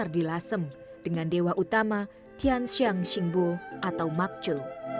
kelenteng terbesar di lasem dengan dewa utama tian xiang xingbo atau mak chou